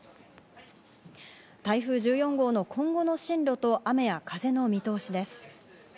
台風１４号の今後の進路と雨や風の見通しです。